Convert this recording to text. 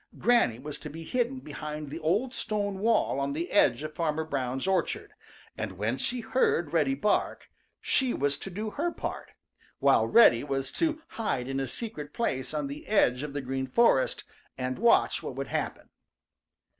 Granny was to be hidden behind the old stone wall on the edge of Farmer Brown's orchard, and when she heard Reddy bark, she was to do her part, while Reddy was to hide in a secret place on the edge of the Green Forest and watch what would happen.